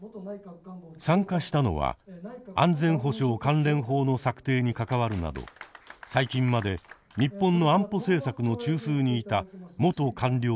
参加したのは安全保障関連法の策定に関わるなど最近まで日本の安保政策の中枢にいた元官僚や自衛隊の元最高幹部。